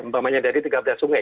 umpamanya dari tiga belas sungai